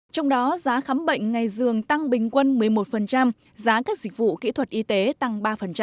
trong đó giá khám bệnh ngày dường tăng bình quân một mươi một giá các dịch vụ kỹ thuật y tế tăng ba